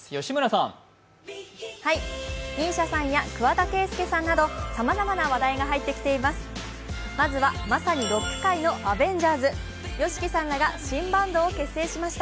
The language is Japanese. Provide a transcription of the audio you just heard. ＭＩＳＩＡさんや桑田佳祐さんなどさまざまな話題が入ってきています。